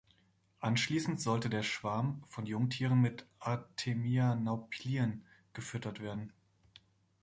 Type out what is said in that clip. Anschließend sollte der Schwarm von Jungtieren mit Artemia-Nauplien gefüttert werden.